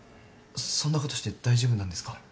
そんなことして大丈夫なんですか？